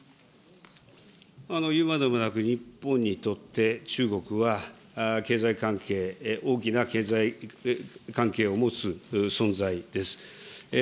いうまでもなく、日本にとって中国は経済関係、大きな経済関係を持つ存在です。